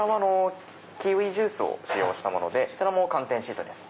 キウイジュースを使用したものでそちらも寒天シートです。